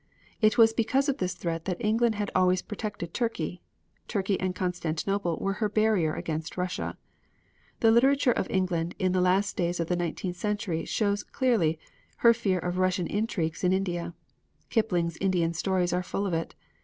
It was because of this threat that England had always protected Turkey. Turkey and Constantinople were her barrier against Russia. The literature of England in the last days of the nineteenth century shows clearly her fear of Russian intrigues in India. Kipling's Indian stories are full of it.